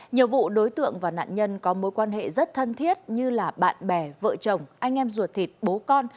nhiều vụ đối tượng và nạn nhân có mối quan hệ rất thân thiết như là bạn bè vợ chồng anh em ruột thịt bố con